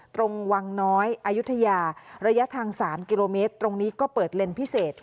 ตรงวังน้อยอายุทยาระยะทาง๓กิโลเมตรตรงนี้ก็เปิดเลนส์พิเศษ